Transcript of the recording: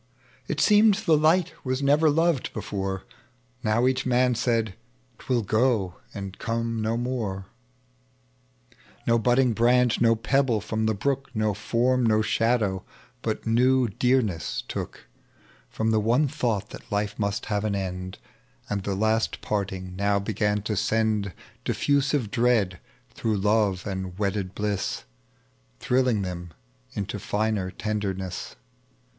It seemed Ibe light waa never loved before, Now eacli man said, "'Twill go and come no No budding branch, no pebble from the brook, No form, no shadow, but new deamess took From the one thought that life mnst have an end ; And the laat parting now began to send Diffusive dread through love and wedded bliss, Thrilling them into finer tenderness.